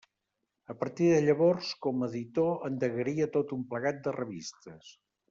A partir de llavors com a editor endegaria tot un plegat de revistes.